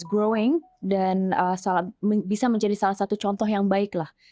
demokrasi di indonesia berkembang dan bisa menjadi salah satu contoh yang baik lah